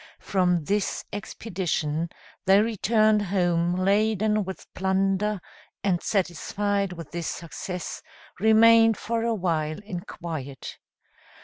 From this expedition they returned home laden with plunder, and satisfied with this success, remained for a while in quiet.